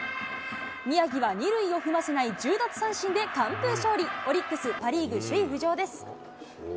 宮城は２塁を踏ませない、１０奪三振で完封勝利、オリックス、パ・リーグ首位浮上です。